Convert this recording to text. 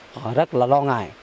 họ rất là lo ngại